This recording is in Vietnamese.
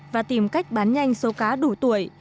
và tìm cách bán nhanh số cá đủ tuổi